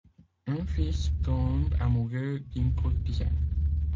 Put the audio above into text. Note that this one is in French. Un fils tombe amoureux d'une courtisane.